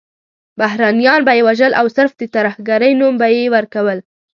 بهرنیان به یې وژل او صرف د ترهګرۍ نوم به یې ورکول.